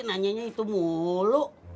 nanyanya itu mulu